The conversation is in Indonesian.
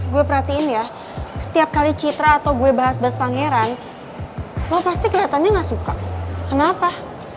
gue perhatiin ya setiap kali citra atau gue bahas bahas pangeran lo pasti kelihatannya nggak suka kenapa